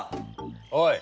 おい！